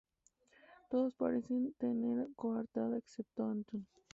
Todos parecen tener coartada excepto Antón.